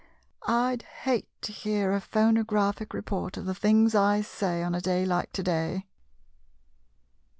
I 'd hate to hear a phonographic report of the things I say on a day like to day.